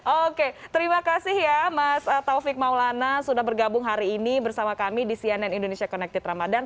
oke terima kasih ya mas taufik maulana sudah bergabung hari ini bersama kami di cnn indonesia connected ramadan